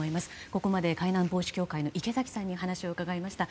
ここまで海難防止協会の池嵜さんに伺いました。